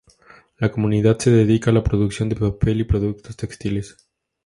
La comunidad se dedica a la producción de papel y productos textiles.